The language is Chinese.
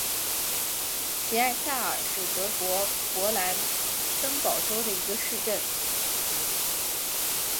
齐埃萨尔是德国勃兰登堡州的一个市镇。